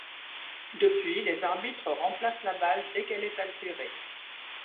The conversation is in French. Depuis, les arbitres remplacent la balle dès qu'elle est altérée.